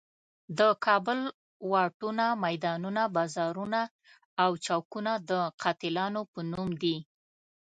د کابل واټونه، میدانونه، بازارونه او چوکونه د قاتلانو په نوم دي.